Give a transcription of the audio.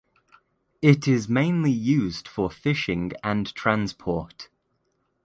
It is mainly used for fishing and transport.